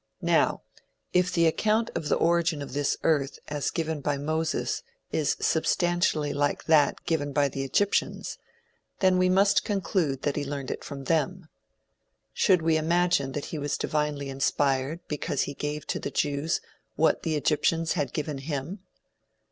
Now, if the account of the origin of this earth as given by Moses is substantially like that given by the Egyptians, then we must conclude that he learned it from them. Should we imagine that he was divinely inspired because he gave to the Jews what the Egyptians had given him?